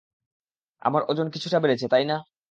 আমার ওজন কিছুটা বেড়েছে, তাই না?